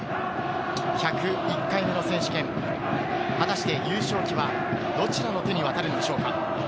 １０１回目の選手権、果たして優勝旗はどちらの手に渡るんでしょうか。